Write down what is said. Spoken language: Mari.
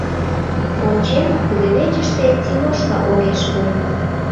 Ончем: кудывечыште Тимошка огеш кой.